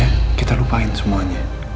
ya kita lupain semuanya